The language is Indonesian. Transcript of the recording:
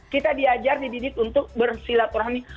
kita diajar di didik untuk bersilaturahmi